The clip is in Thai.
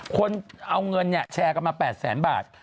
คนเอาเงินแชร์กันมา๘แสนบาท